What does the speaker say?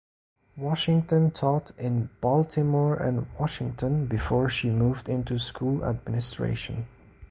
Washington taught in Baltimore and Washington before she moved into school administration.